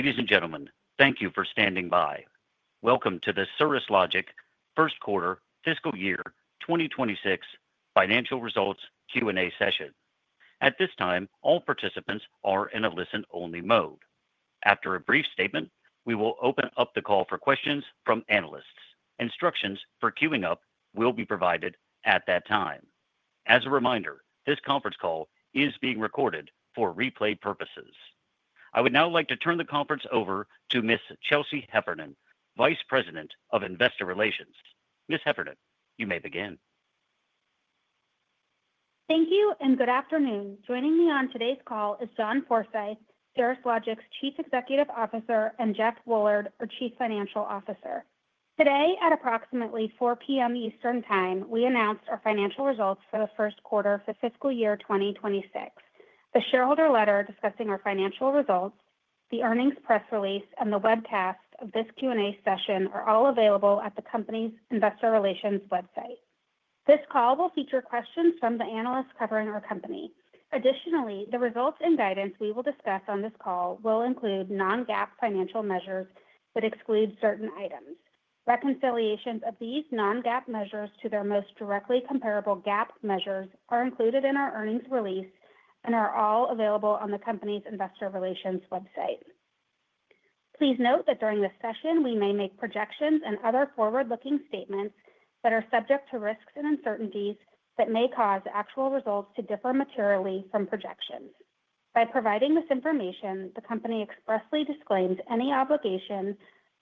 Ladies and gentlemen, thank you for standing by. Welcome to the Cirrus Logic First Quarter Fiscal Year 2026 Financial Results Q&A session. At this time, all participants are in a listen-only mode. After a brief statement, we will open up the call for questions from analysts. Instructions for queuing up will be provided at that time. As a reminder, this conference call is being recorded for replay purposes. I would now like to turn the conference over to Ms. Chelsea Heffernan, Vice President of Investor Relations. Ms. Heffernan, you may begin. Thank you, and good afternoon. Joining me on today's call is John Forsyth, Cirrus Logic's Chief Executive Officer, and Jeff Woolard, our Chief Financial Officer. Today, at approximately 4:00 P.M. Eastern Time, we announced our financial results for the first quarter of the fiscal year 2026. The shareholder letter discussing our financial results, the earnings press release, and the webcast of this Q&A session are all available at the company's Investor Relations website. This call will feature questions from the analysts covering our company. Additionally, the results and guidance we will discuss on this call will include non-GAAP financial measures that exclude certain items. Reconciliations of these non-GAAP measures to their most directly comparable GAAP measures are included in our earnings release and are all available on the company's Investor Relations website. Please note that during this session, we may make projections and other forward-looking statements that are subject to risks and uncertainties that may cause actual results to differ materially from projections. By providing this information, the company expressly disclaims any obligation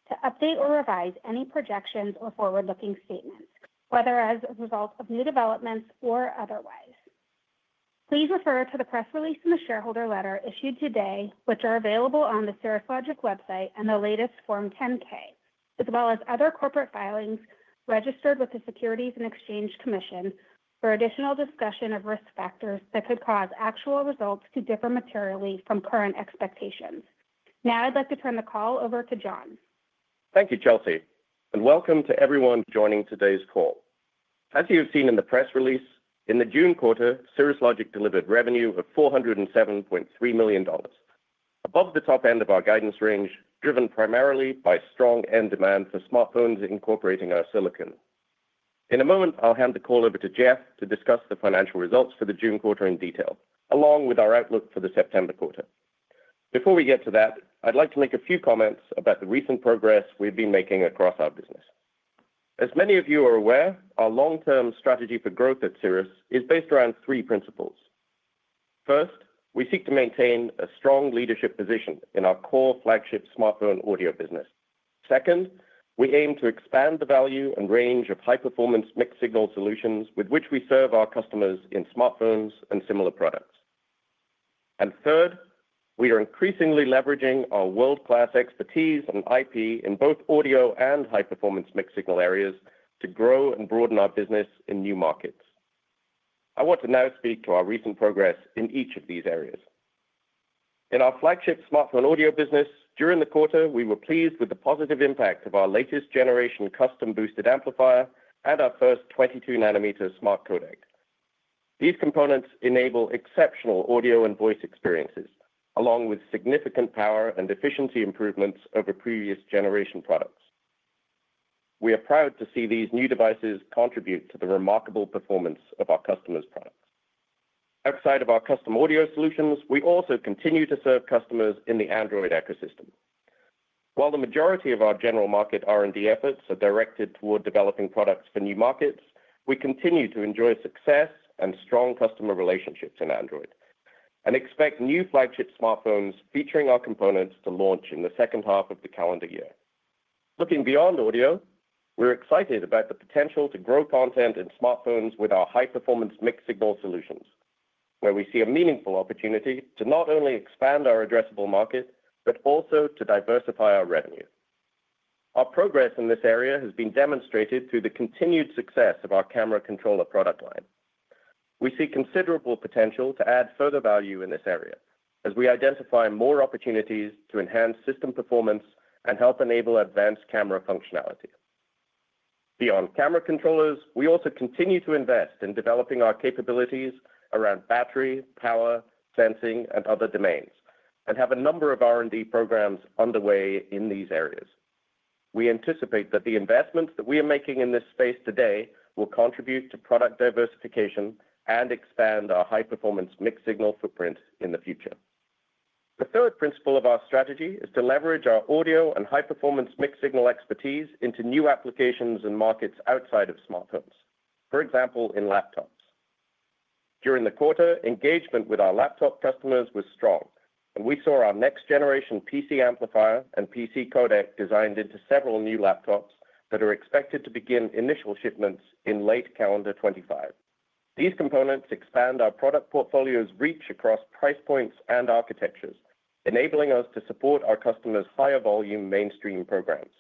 to update or revise any projections or forward-looking statements, whether as a result of new developments or otherwise. Please refer to the press release and the shareholder letter issued today, which are available on the Cirrus Logic website and the latest Form 10-K, as well as other corporate filings registered with the Securities and Exchange Commission for additional discussion of risk factors that could cause actual results to differ materially from current expectations. Now, I'd like to turn the call over to John. Thank you, Chelsea, and welcome to everyone joining today's call. As you have seen in the press release, in the June quarter, Cirrus Logic delivered revenue of $407.3 million, above the top end of our guidance range, driven primarily by strong end demand for smartphones incorporating our silicon. In a moment, I'll hand the call over to Jeff to discuss the financial results for the June quarter in detail, along with our outlook for the September quarter. Before we get to that, I'd like to make a few comments about the recent progress we've been making across our business. As many of you are aware, our long-term strategy for growth at Cirrus is based around three principles. First, we seek to maintain a strong leadership position in our core flagship smartphone audio business. Second, we aim to expand the value and range of high-performance mixed-signal solutions with which we serve our customers in smartphones and similar products. Third, we are increasingly leveraging our world-class expertise and IP in both audio and high-performance mixed-signal areas to grow and broaden our business in new markets. I want to now speak to our recent progress in each of these areas. In our flagship smartphone audio business, during the quarter, we were pleased with the positive impact of our latest generation custom boosted amplifier and our first 22-nanometer smart codec. These components enable exceptional audio and voice experiences, along with significant power and efficiency improvements over previous generation products. We are proud to see these new devices contribute to the remarkable performance of our customers' products. Outside of our custom audio solutions, we also continue to serve customers in the Android ecosystem. While the majority of our general market R&D efforts are directed toward developing products for new markets, we continue to enjoy success and strong customer relationships in Android and expect new flagship smartphones featuring our components to launch in the second half of the calendar year. Looking beyond audio, we're excited about the potential to grow content in smartphones with our high-performance mixed-signal solutions, where we see a meaningful opportunity to not only expand our addressable market but also to diversify our revenue. Our progress in this area has been demonstrated through the continued success of our camera controller product line. We see considerable potential to add further value in this area as we identify more opportunities to enhance system performance and help enable advanced camera functionality. Beyond camera controllers, we also continue to invest in developing our capabilities around battery, power, sensing, and other domains and have a number of R&D programs underway in these areas. We anticipate that the investments that we are making in this space today will contribute to product diversification and expand our high-performance mixed-signal footprint in the future. The third principle of our strategy is to leverage our audio and high-performance mixed-signal expertise into new applications and markets outside of smartphones, for example, in laptops. During the quarter, engagement with our laptop customers was strong, and we saw our next-generation PC amplifier and PC codec designed into several new laptops that are expected to begin initial shipments in late calendar 2025. These components expand our product portfolio's reach across price points and architectures, enabling us to support our customers' higher volume mainstream programs.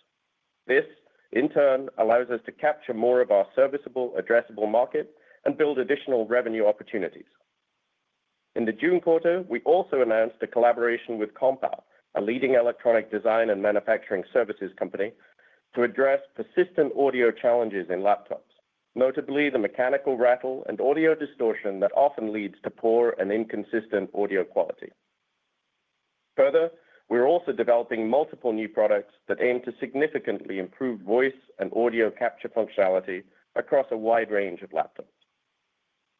This, in turn, allows us to capture more of our serviceable addressable market and build additional revenue opportunities. In the June quarter, we also announced a collaboration with Compal, a leading electronic design and manufacturing services company, to address persistent audio challenges in laptops, notably the mechanical rattle and audio distortion that often leads to poor and inconsistent audio quality. Further, we're also developing multiple new products that aim to significantly improve voice and audio capture functionality across a wide range of laptops.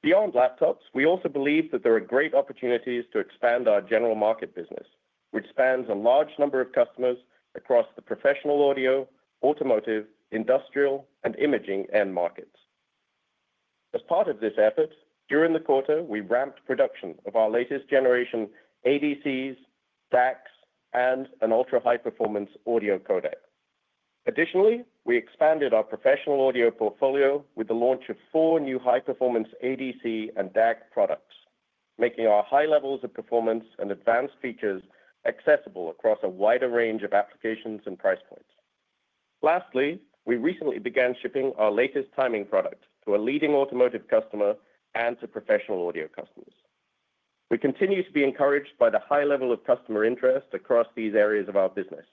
Beyond laptops, we also believe that there are great opportunities to expand our general market business, which spans a large number of customers across the professional audio, automotive, industrial, and imaging end markets. As part of this effort, during the quarter, we ramped production of our latest generation ADCs, DACs, and an ultra-high-performance audio codec. Additionally, we expanded our professional audio portfolio with the launch of four new high-performance ADC and DAC products, making our high levels of performance and advanced features accessible across a wider range of applications and price points. Lastly, we recently began shipping our latest timing product to a leading automotive customer and to professional audio customers. We continue to be encouraged by the high level of customer interest across these areas of our business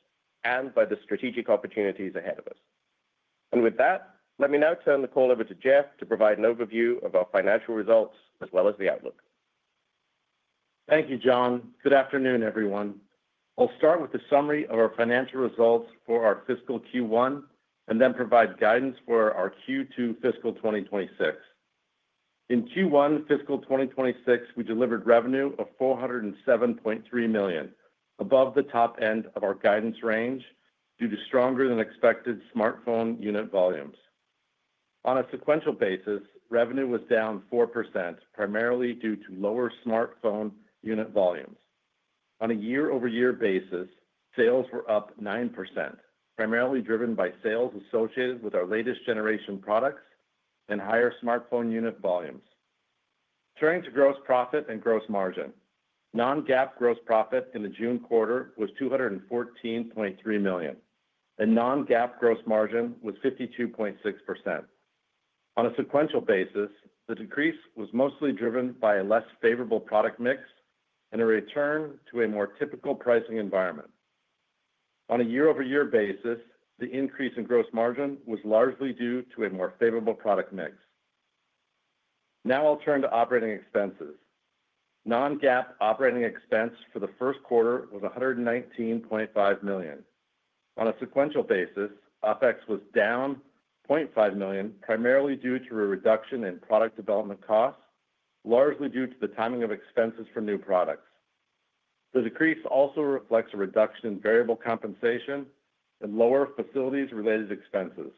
and by the strategic opportunities ahead of us. With that, let me now turn the call over to Jeff to provide an overview of our financial results as well as the outlook. Thank you, John. Good afternoon, everyone. I'll start with a summary of our financial results for our fiscal Q1 and then provide guidance for our Q2 fiscal 2026. In Q1 fiscal 2026, we delivered revenue of $407.3 million, above the top end of our guidance range due to stronger than expected smartphone unit volumes. On a sequential basis, revenue was down 4%, primarily due to lower smartphone unit volumes. On a year-over-year basis, sales were up 9%, primarily driven by sales associated with our latest generation products and higher smartphone unit volumes. Turning to gross profit and gross margin, non-GAAP gross profit in the June quarter was $214.3 million, and non-GAAP gross margin was 52.6%. On a sequential basis, the decrease was mostly driven by a less favorable product mix and a return to a more typical pricing environment. On a year-over-year basis, the increase in gross margin was largely due to a more favorable product mix. Now I'll turn to operating expenses. Non-GAAP operating expense for the first quarter was $119.5 million. On a sequential basis, OpEx was down $0.5 million, primarily due to a reduction in product development costs, largely due to the timing of expenses for new products. The decrease also reflects a reduction in variable compensation and lower facilities-related expenses.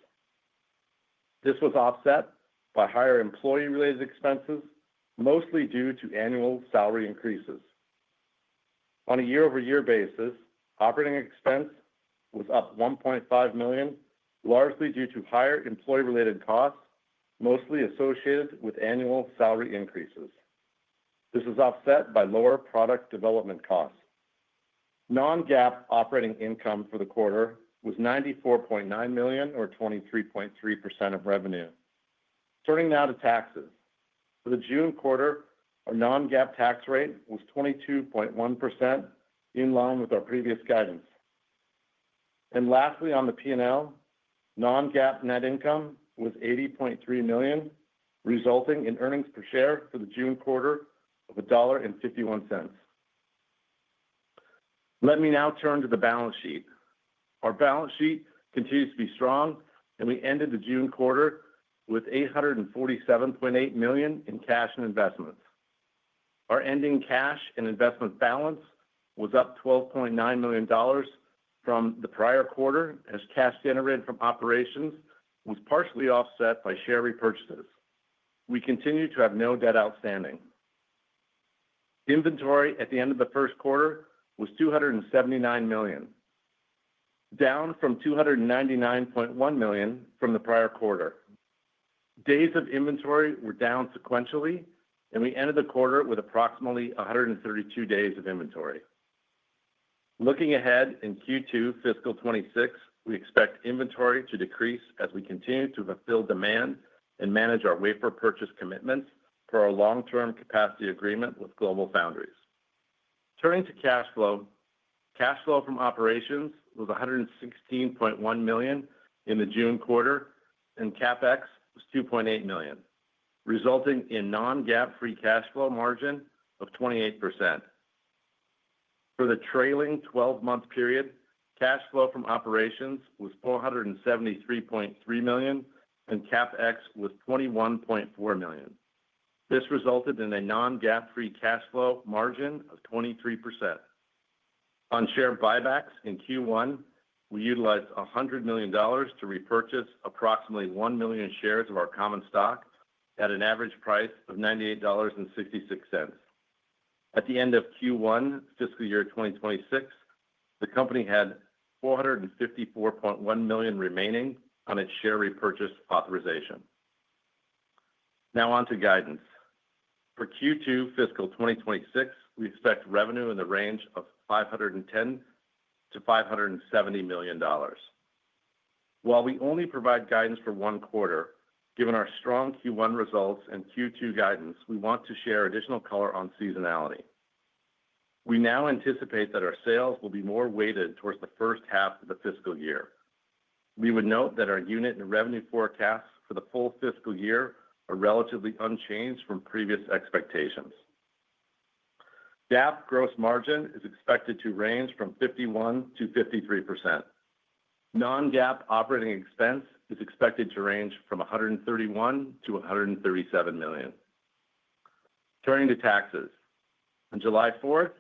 This was offset by higher employee-related expenses, mostly due to annual salary increases. On a year-over-year basis, operating expense was up $1.5 million, largely due to higher employee-related costs, mostly associated with annual salary increases. This is offset by lower product development costs. Non-GAAP operating income for the quarter was $94.9 million, or 23.3% of revenue. Turning now to taxes, for the June quarter, our non-GAAP tax rate was 22.1%, in line with our previous guidance. Lastly, on the P&L, non-GAAP net income was $80.3 million, resulting in earnings per share for the June quarter of $1.51. Let me now turn to the balance sheet. Our balance sheet continues to be strong, and we ended the June quarter with $847.8 million in cash and investments. Our ending cash and investment balance was up $12.9 million from the prior quarter, as cash generated from operations was partially offset by share repurchases. We continue to have no debt outstanding. Inventory at the end of the first quarter was $279 million, down from $299.1 million from the prior quarter. Days of inventory were down sequentially, and we ended the quarter with approximately 132 days of inventory. Looking ahead, in Q2 fiscal 2026, we expect inventory to decrease as we continue to fulfill demand and manage our wafer purchase commitments for our long-term capacity agreement with GlobalFoundries. Turning to cash flow, cash flow from operations was $116.1 million in the June quarter, and CapEx was $2.8 million, resulting in non-GAAP free cash flow margin of 28%. For the trailing 12-month period, cash flow from operations was $473.3 million, and CapEx was $21.4 million. This resulted in a non-GAAP free cash flow margin of 23%. On share buybacks in Q1, we utilized $100 million to repurchase approximately 1 million shares of our common stock at an average price of $98.66. At the end of Q1 fiscal year 2026, the company had $454.1 million remaining on its share repurchase authorization. Now on to guidance. For Q2 fiscal 2026, we expect revenue in the range of $510 million - $570 million. While we only provide guidance for one quarter, given our strong Q1 results and Q2 guidance, we want to share additional color on seasonality. We now anticipate that our sales will be more weighted towards the first half of the fiscal year. We would note that our unit and revenue forecasts for the full fiscal year are relatively unchanged from previous expectations. GAAP gross margin is expected to range from 51% - 53%. Non-GAAP operating expense is expected to range from $131 million - $137 million. Turning to taxes, on July 4,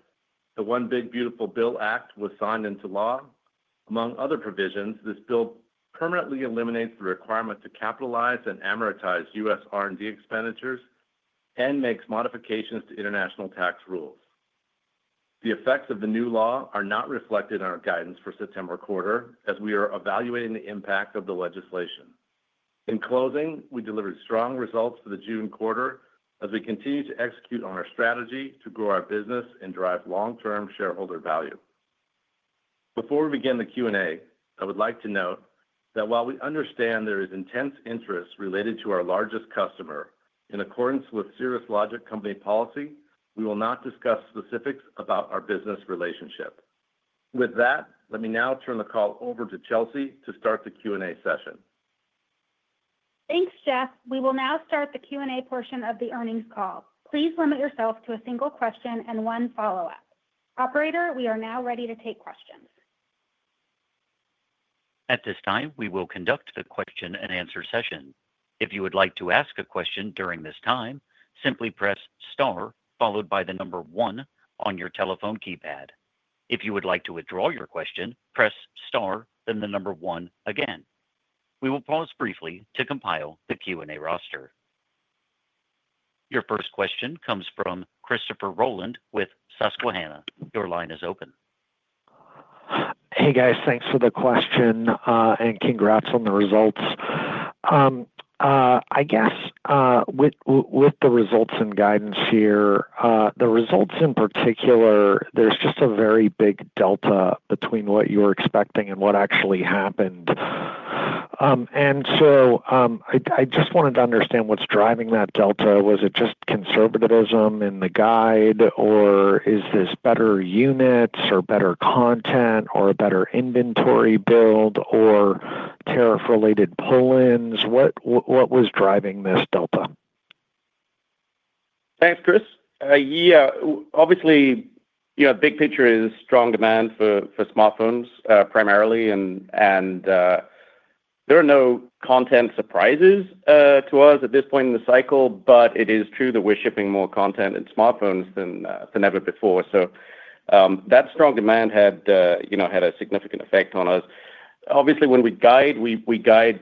the One Big Beautiful Bill Act was signed into law. Among other provisions, this bill permanently eliminates the requirement to capitalize and amortize U.S. R&D expenditures and makes modifications to international tax rules. The effects of the new law are not reflected in our guidance for September quarter as we are evaluating the impact of the legislation. In closing, we delivered strong results for the June quarter as we continue to execute on our strategy to grow our business and drive long-term shareholder value. Before we begin the Q&A, I would like to note that while we understand there is intense interest related to our largest customer, in accordance with Cirrus Logic company policy, we will not discuss specifics about our business relationship. With that, let me now turn the call over to Chelsea to start the Q&A session. Thanks, Jeff. We will now start the Q&A portion of the earnings call. Please limit yourself to a single question and one follow-up. Operator, we are now ready to take questions. At this time, we will conduct a question and answer session. If you would like to ask a question during this time, simply press star followed by the number one on your telephone keypad. If you would like to withdraw your question, press star then the number one again. We will pause briefly to compile the Q&A roster. Your first question comes from Christopher Rollan with Susquehanna. Your line is open. Hey, guys, thanks for the question and congrats on the results. I guess with the results and guidance here, the results in particular, there's just a very big delta between what you were expecting and what actually happened. I just wanted to understand what's driving that delta. Was it just conservatism in the guide, or is this better units or better content or a better inventory build or tariff-related pull-ins? What was driving this delta? Thanks, Chris. Yeah, obviously, the big picture is strong demand for smartphones primarily. There are no content surprises to us at this point in the cycle, but it is true that we're shipping more content in smartphones than ever before. That strong demand had a significant effect on us. Obviously, when we guide, we guide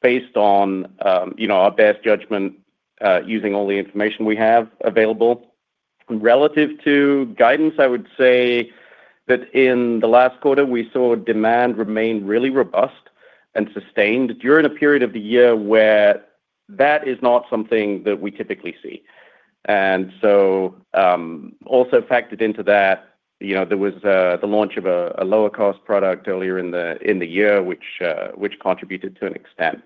based on our best judgment using all the information we have available. Relative to guidance, I would say that in the last quarter, we saw demand remain really robust and sustained during a period of the year where that is not something that we typically see. Also factored into that, there was the launch of a lower-cost product earlier in the year, which contributed to an extent.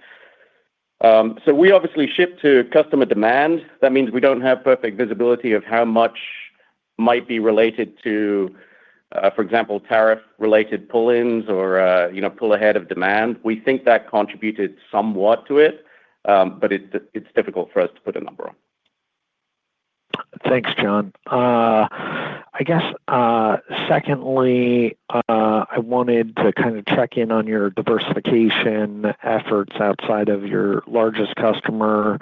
We obviously ship to customer demand. That means we don't have perfect visibility of how much might be related to, for example, tariff-related pull-ins or pull ahead of demand. We think that contributed somewhat to it, but it's difficult for us to put a number on. Thanks, John. I guess secondly, I wanted to kind of check in on your diversification efforts outside of your largest customer.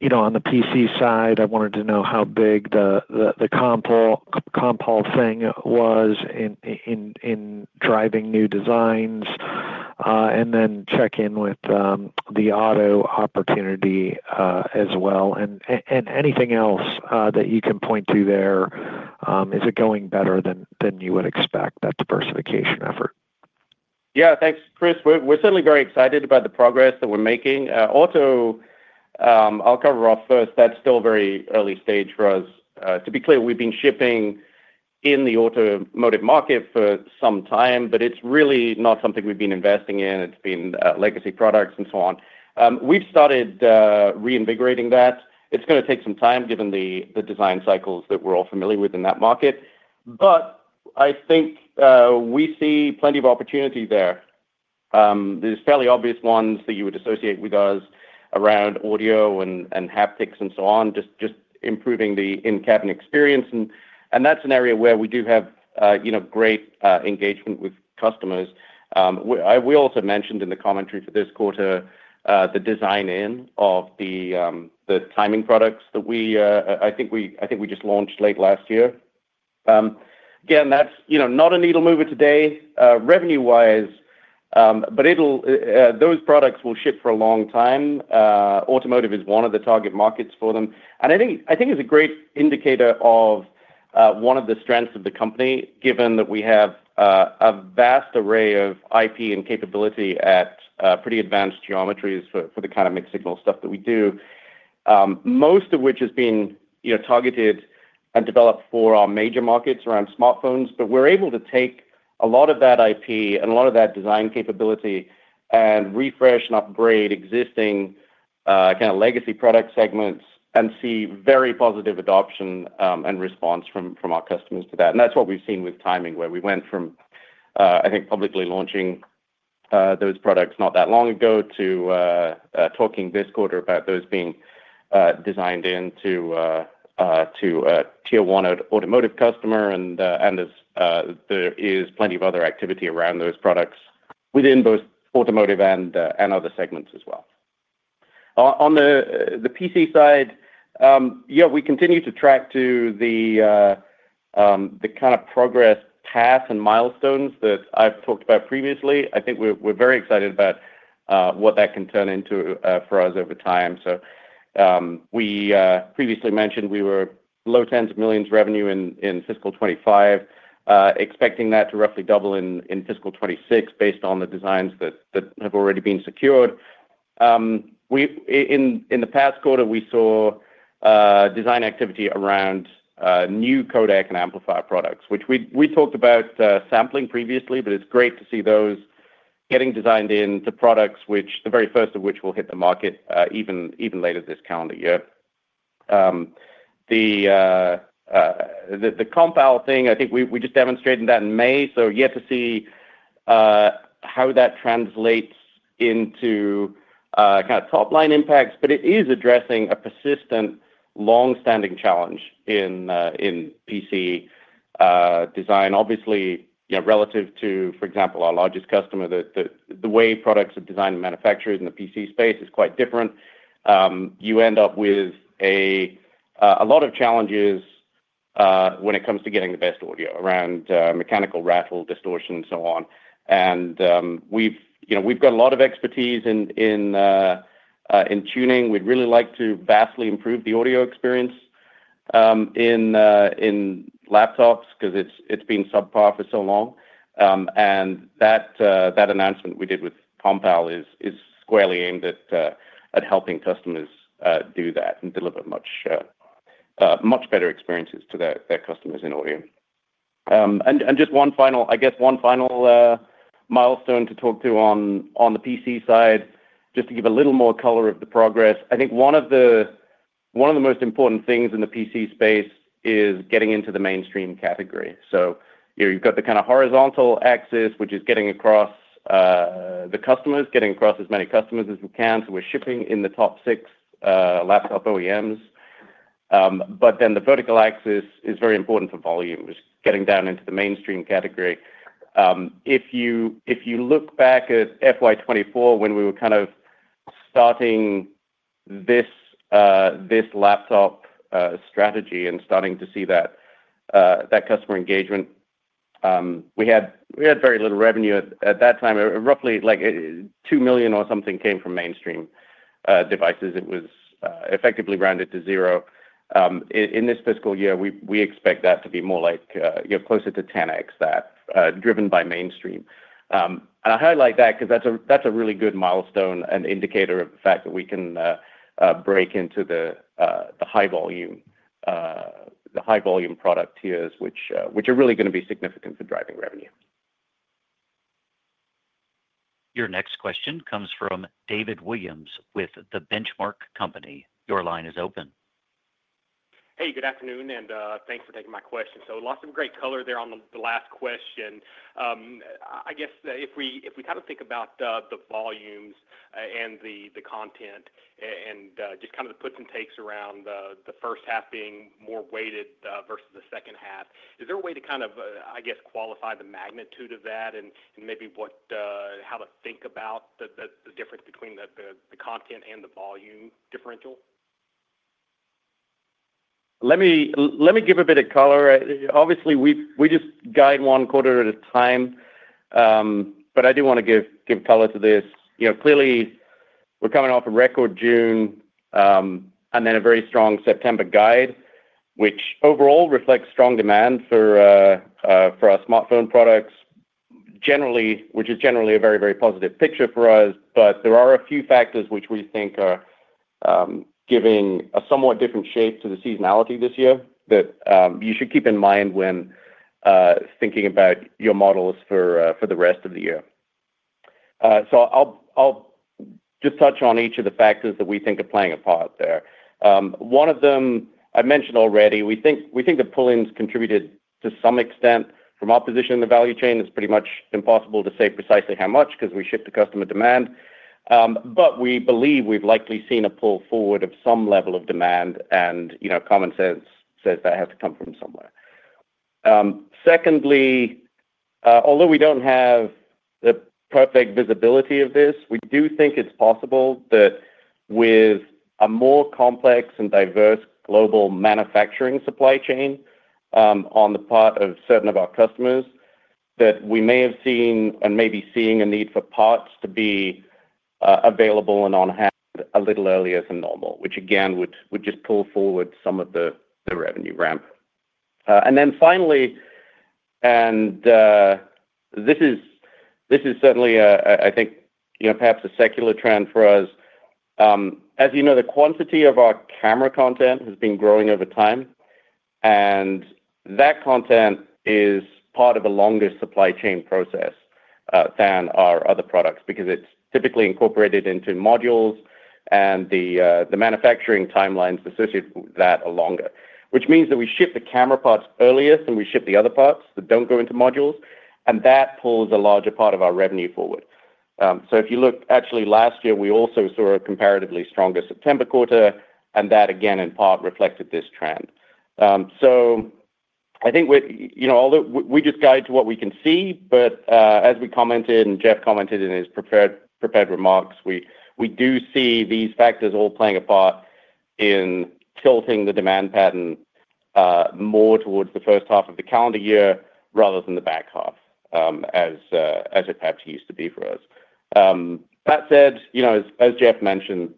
You know, on the PC side, I wanted to know how big the Compal thing was in driving new designs and then check in with the auto opportunity as well. Anything else that you can point to there, is it going better than you would expect, that diversification effort? Yeah, thanks, Chris. We're certainly very excited about the progress that we're making. Auto, I'll cover off first. That's still a very early stage for us. To be clear, we've been shipping in the automotive market for some time, but it's really not something we've been investing in. It's been legacy products and so on. We've started reinvigorating that. It's going to take some time given the design cycles that we're all familiar with in that market. I think we see plenty of opportunity there. There's fairly obvious ones that you would associate with us around audio and haptics and so on, just improving the in-cabin experience. That's an area where we do have great engagement with customers. We also mentioned in the commentary for this quarter the design in of the timing products that we, I think we just launched late last year. Again, that's not a needle mover today revenue-wise, but those products will ship for a long time. Automotive is one of the target markets for them. I think it's a great indicator of one of the strengths of the company, given that we have a vast array of IP and capability at pretty advanced geometries for the kind of mixed-signal stuff that we do, most of which has been targeted and developed for our major markets around smartphones. We're able to take a lot of that IP and a lot of that design capability and refresh and upgrade existing kind of legacy product segments and see very positive adoption and response from our customers to that. That's what we've seen with timing, where we went from, I think, publicly launching those products not that long ago to talking this quarter about those being designed into a tier one automotive customer. There is plenty of other activity around those products within both automotive and other segments as well. On the PC side, we continue to track the kind of progress path and milestones that I've talked about previously. I think we're very excited about what that can turn into for us over time. We previously mentioned we were low tens of millions revenue in fiscal 2025, expecting that to roughly double in fiscal 2026 based on the designs that have already been secured. In the past quarter, we saw design activity around new codec and amplifier products, which we talked about sampling previously, but it's great to see those getting designed into products, the very first of which will hit the market even later this calendar year. The Compal thing, I think we just demonstrated that in May, so yet to see how that translates into kind of top-line impacts, but it is addressing a persistent longstanding challenge in PC design. Obviously, you know, relative to, for example, our largest customer, the way products are designed and manufactured in the PC space is quite different. You end up with a lot of challenges when it comes to getting the best audio around mechanical rattle, distortion, and so on. We've got a lot of expertise in tuning. We'd really like to vastly improve the audio experience in laptops because it's been subpar for so long. That announcement we did with Compal is squarely aimed at helping customers do that and deliver much better experiences to their customers in audio. Just one final milestone to talk to on the PC side, just to give a little more color of the progress. I think one of the most important things in the PC space is getting into the mainstream category. You've got the kind of horizontal axis, which is getting across the customers, getting across as many customers as we can. We're shipping in the top six laptop OEMs. The vertical axis is very important for volume, getting down into the mainstream category. If you look back at FY 2024, when we were kind of starting this laptop strategy and starting to see that customer engagement, we had very little revenue at that time. Roughly like $2 million or something came from mainstream devices. It was effectively rounded to zero. In this fiscal year, we expect that to be more like, you know, closer to 10x that, driven by mainstream. I highlight that because that's a really good milestone and indicator of the fact that we can break into the high volume product tiers, which are really going to be significant for driving revenue. Your next question comes from David Williams with The Benchmark Company. Your line is open. Good afternoon, and thanks for taking my question. Lots of great color there on the last question. If we kind of think about the volumes and the content and just kind of the puts and takes around the first half being more weighted versus the second half, is there a way to qualify the magnitude of that and maybe how to think about the difference between the content and the volume differential? Let me give a bit of color. Obviously, we just guide one quarter at a time, but I do want to give color to this. Clearly, we're coming off a record June, and then a very strong September guide, which overall reflects strong demand for our smartphone products, which is generally a very, very positive picture for us. There are a few factors which we think are giving a somewhat different shape to the seasonality this year that you should keep in mind when thinking about your models for the rest of the year. I'll just touch on each of the factors that we think are playing a part there. One of them I mentioned already, we think the pull-ins contributed to some extent from our position in the value chain. It's pretty much impossible to say precisely how much because we ship to customer demand. We believe we've likely seen a pull forward of some level of demand, and common sense says that has to come from somewhere. Secondly, although we don't have the perfect visibility of this, we do think it's possible that with a more complex and diverse global manufacturing supply chain on the part of certain of our customers, we may have seen and may be seeing a need for parts to be available and on hand a little earlier than normal, which again would just pull forward some of the revenue ramp. Finally, and this is certainly, I think, perhaps a secular trend for us. As you know, the quantity of our camera content has been growing over time, and that content is part of a longer supply chain process than our other products because it's typically incorporated into modules, and the manufacturing timelines associated with that are longer, which means that we ship the camera parts earliest than we ship the other parts that don't go into modules, and that pulls a larger part of our revenue forward. If you look, actually, last year, we also saw a comparatively stronger September quarter, and that again in part reflected this trend. I think, although we just guide to what we can see, but as we commented and Jeff commented in his prepared remarks, we do see these factors all playing a part in tilting the demand pattern more towards the first half of the calendar year rather than the back half as it perhaps used to be for us. That said, as Jeff mentioned,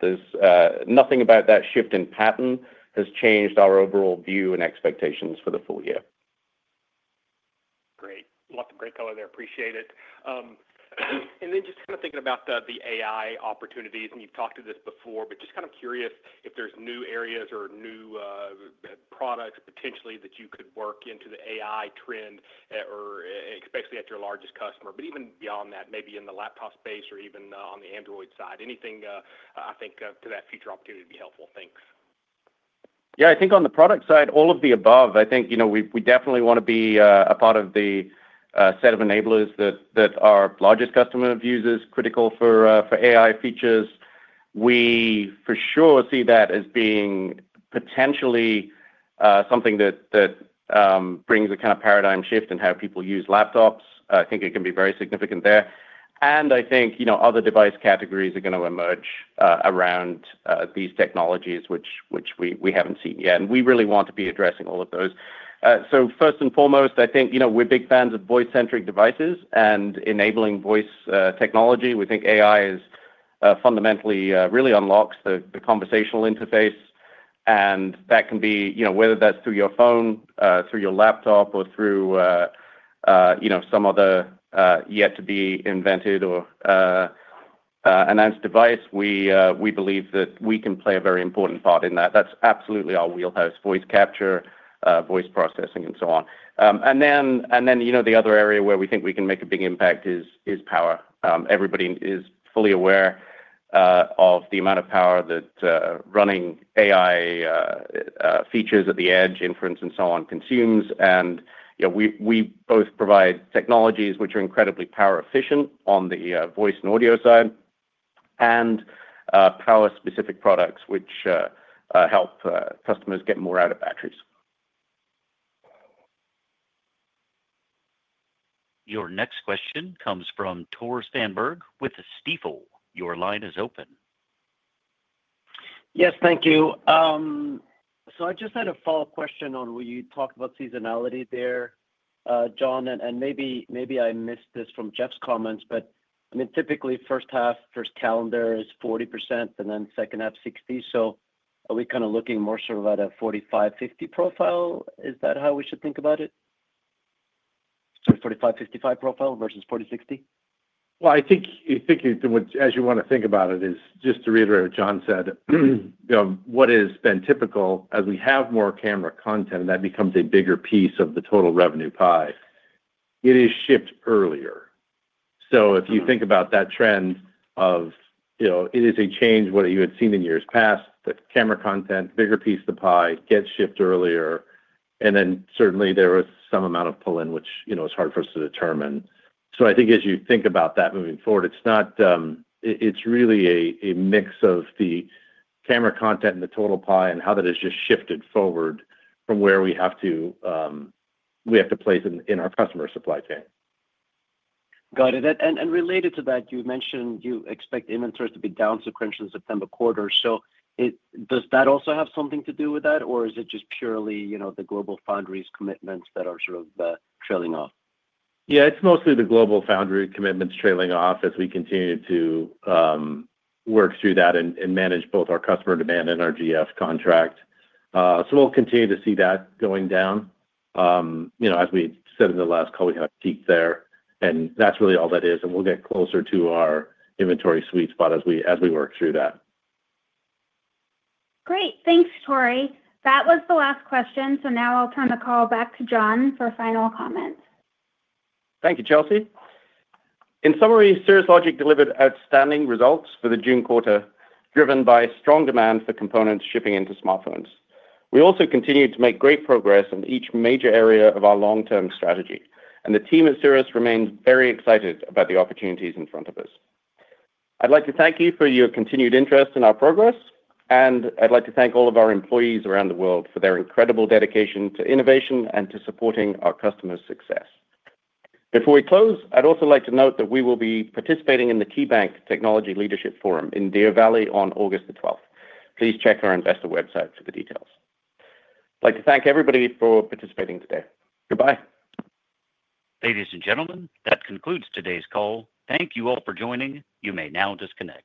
nothing about that shift in pattern has changed our overall view and expectations for the full year. Great. Lots of great color there. Appreciate it. Just kind of thinking about the AI opportunities, and you've talked to this before, but just kind of curious if there's new areas or new products potentially that you could work into the AI trend, or especially at your largest customer, but even beyond that, maybe in the laptop space or even on the Android side. Anything I think to that future opportunity would be helpful. Thanks. I think on the product side, all of the above. We definitely want to be a part of the set of enablers that our largest customer views as critical for AI features. We for sure see that as being potentially something that brings a kind of paradigm shift in how people use laptops. I think it can be very significant there. Other device categories are going to emerge around these technologies, which we haven't seen yet. We really want to be addressing all of those. First and foremost, we're big fans of voice-centric devices and enabling voice technology. We think AI fundamentally really unlocks the conversational interface. That can be, whether that's through your phone, through your laptop, or through some other yet-to-be-invented or announced device, we believe that we can play a very important part in that. That's absolutely our wheelhouse: voice capture, voice processing, and so on. The other area where we think we can make a big impact is power. Everybody is fully aware of the amount of power that running AI features at the edge, inference, and so on consumes. We both provide technologies which are incredibly power-efficient on the voice and audio side and power-specific products which help customers get more out of batteries. Your next question comes from Tore Svanberg with Stifel. Your line is open. Yes, thank you. I just had a follow-up question on where you talked about seasonality there, John. Maybe I missed this from Jeff's comments, but I mean, typically, first half, first calendar is 40%, and then second half 60%. Are we kind of looking more sort of at a 45%-50% profile? Is that how we should think about it? Sort of 45%-55% profile versus 40%-60%? I think as you want to think about it, just to reiterate what John said, you know, what has been typical, as we have more camera content and that becomes a bigger piece of the total revenue pie, it is shipped earlier. If you think about that trend, it is a change from what you had seen in years past. The camera content, as a bigger piece of the pie, gets shipped earlier. There was some amount of pull-in, which is hard for us to determine. I think as you think about that moving forward, it's really a mix of the camera content and the total pie and how that has just shifted forward from where we have to place in our customer supply chain. Got it. Related to that, you mentioned you expect inventories to be down sequentially in the September quarter. Does that also have something to do with that, or is it just purely, you know, the GlobalFoundries commitments that are sort of trailing off? Yeah, it's mostly the GlobalFoundries commitments trailing off as we continue to work through that and manage both our customer demand and our GF contract. We'll continue to see that going down. As we said in the last call, we have peak there. That's really all that is, and we'll get closer to our inventory sweet spot as we work through that. Great. Thanks, Tore. That was the last question. Now I'll turn the call back to John for final comments. Thank you, Chelsea. In summary, Cirrus Logic delivered outstanding results for the June quarter, driven by strong demand for components shipping into smartphones. We also continued to make great progress in each major area of our long-term strategy. The team at Cirrus remains very excited about the opportunities in front of us. I'd like to thank you for your continued interest in our progress. I'd like to thank all of our employees around the world for their incredible dedication to innovation and to supporting our customers' success. Before we close, I'd also like to note that we will be participating in the KeyBanc Technology Leadership Forum in Deer Valley on August 12. Please check our investor website for the details. I'd like to thank everybody for participating today. Goodbye. Ladies and gentlemen, that concludes today's call. Thank you all for joining. You may now disconnect.